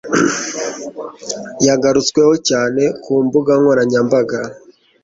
yagarutsweho cyane ku mbuga nkoranyambaga